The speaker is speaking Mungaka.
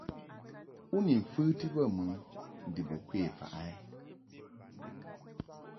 U ni mfəti bə mɨ ndib u kwe faʼ a ?